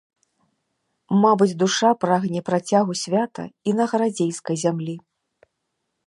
Мабыць, душа прагне працягу свята і на гарадзейскай зямлі.